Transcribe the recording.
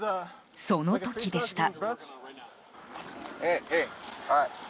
その時でした。